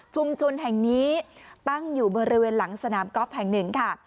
แห่งนี้ตั้งอยู่บริเวณหลังสนามกอล์ฟแห่งหนึ่งค่ะ